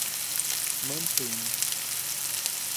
Mantena